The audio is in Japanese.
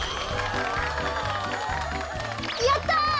やった！